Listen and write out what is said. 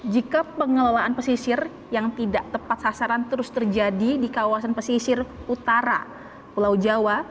jika pengelolaan pesisir yang tidak tepat sasaran terus terjadi di kawasan pesisir utara pulau jawa